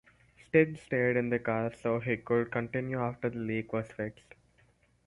Stig stayed in the car so he could continue after the leak was fixed.